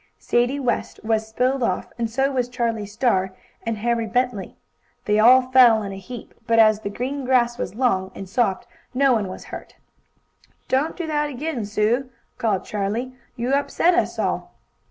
Sadie West was spilled off, and so was Charlie Star and Harry Bentley. They all fell in a heap, but as the green grass was long, and soft, no one was hurt. "Don't do that again, Sue!" called Charlie, "You upset us all."